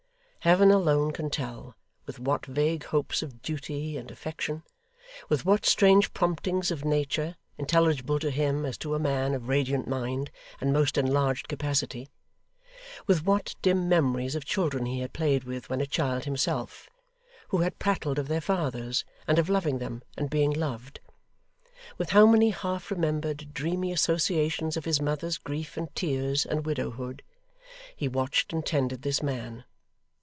Heaven alone can tell, with what vague hopes of duty, and affection; with what strange promptings of nature, intelligible to him as to a man of radiant mind and most enlarged capacity; with what dim memories of children he had played with when a child himself, who had prattled of their fathers, and of loving them, and being loved; with how many half remembered, dreamy associations of his mother's grief and tears and widowhood; he watched and tended this man.